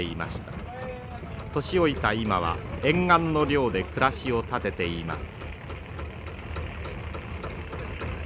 年老いた今は沿岸の漁で暮らしを立てています。